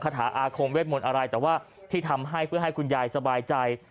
ขถาอาคมวิทยาลัยแต่ว่าที่ทำให้เพื่อให้คุณยายสบายใจ